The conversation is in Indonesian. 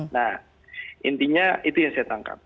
nah intinya itu yang saya tangkap